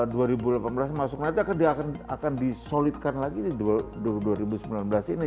di dua ribu sembilan belas ini sudah mulai mulai start dari dua ribu delapan belas masuk ke nanti akan disolidkan lagi di dua ribu sembilan belas ini